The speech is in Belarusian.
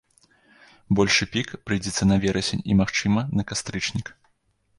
Большы пік прыйдзецца на верасень і, магчыма, на кастрычнік.